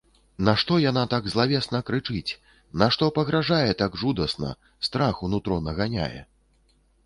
Нашто яна так злавесна крычыць, нашто пагражае так жудасна, страх у нутро наганяе?